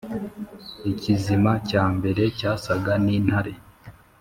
Ikizima cya mbere cyasaga n’intare,